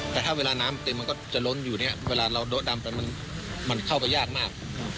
แต่ถ้าเวลาน้ำเต็มมันก็จะล้นอยู่เนี่ยเวลาเราโดะดำไปมันเข้าไปยากมาก